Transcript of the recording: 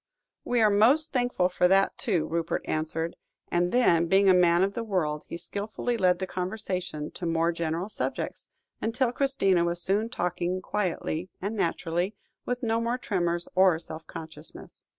"We are most thankful for that, too," Rupert answered; and then, being a man of the world, he skilfully led the conversation to more general subjects, until Christina was soon talking quietly and naturally, with no more tremors or self consciousness.